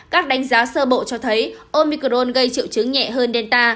các đánh giá sơ bộ cho thấy omicron gây triệu chứng nhẹ hơn delta